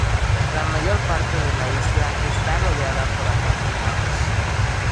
La mayor parte de la isla está rodeada por acantilados.